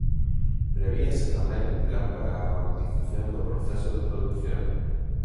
Prevíase tamén un plan para a robotización do proceso de produción.